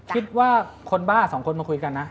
คิดว่าคนบ้าสองคนมาคุยกันนะ